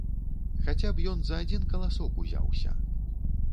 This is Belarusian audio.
Хаця б ён за адзін каласок узяўся.